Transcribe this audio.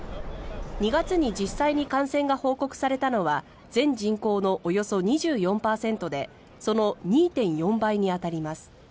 ２月に実際に感染が報告されたのは全人口のおよそ２４％でその２．４倍に当たります。